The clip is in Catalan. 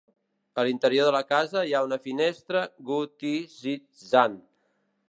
A l'interior de la casa hi ha una finestra goticitzant.